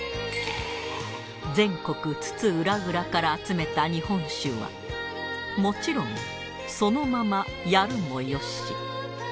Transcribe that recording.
全国津々浦々から集めた日本酒はもちろんそのままやるもよし